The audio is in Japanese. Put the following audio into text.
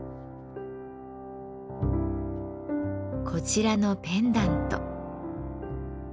こちらのペンダント。